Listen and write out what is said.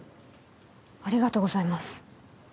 ありがとうございます。